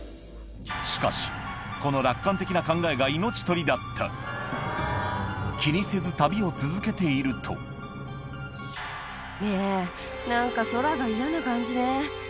しかしこの楽観的な考えが命取りだった気にせず旅を続けているとねぇ。